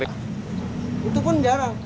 itu pun jarang